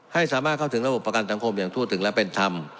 ให้สามารถเข้าถึงระบบประกันสังคมอย่างทั่วถึงและเป็นธรรม